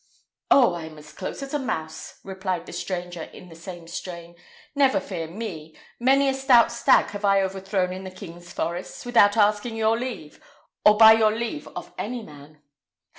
"Oh! I'm as close as a mouse," replied the stranger in the same strain; "never fear me: many a stout stag have I overthrown in the king's forests, without asking with your leave or by your leave of any man."